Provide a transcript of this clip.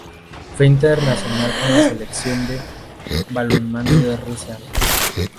Fue internacional con la Selección de balonmano de Rusia.